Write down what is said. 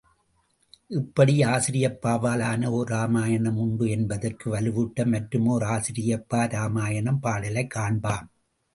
இப்படி ஆசிரியப்பாவால் ஆன ஓர் இராமாயணம் உண்டு என்பதற்கு வலுவூட்ட மற்றும் ஓர் ஆசிரியப்பா இராமயணப் பாடலைக் காண்பாம்!